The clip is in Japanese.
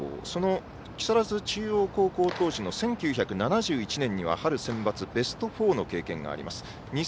その木更津中央高校時代の１９７１年には春センバツベスト４の経験があります。